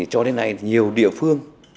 cho đến nay nhiều địa phương